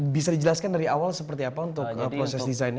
bisa dijelaskan dari awal seperti apa untuk proses desainnya